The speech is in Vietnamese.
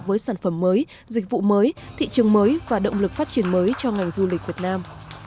với sản phẩm mới dịch vụ mới thị trường mới và động lực phát triển mới cho ngành du lịch việt nam